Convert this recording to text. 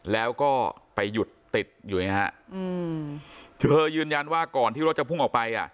แล้วก็ไปหยุดติดอยู่ไงฮะอืมเธอยืนยันว่าก่อนที่รถจะพุ่งออกไปอ่ะ